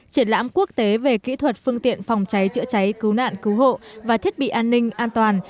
triển lãm quốc tế về kỹ thuật phương tiện phòng cháy chữa cháy cứu nạn cứu hộ và thiết bị an ninh an toàn